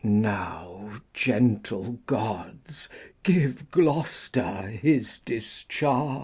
Now, gentle Gods, give Gloster his Discharge.